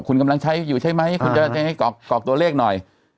คุณกำลังใช้อยู่ใช่ไหมคุณจะใช้กรอกตัวเลขหน่อย